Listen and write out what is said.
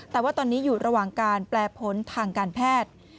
แต่ว่าตอนนี้อยู่ระหว่างการแปลผลทางการแพทย์